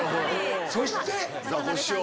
そしてザコシショウ。